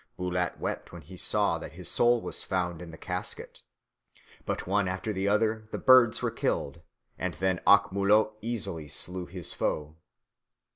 Bulat wept when he saw that his soul was found in the casket. But one after the other the birds were killed, and then Ak Molot easily slew his foe.